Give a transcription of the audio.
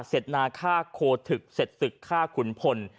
เสดนาค่าโคถึกเสดสึกค่าขุนพล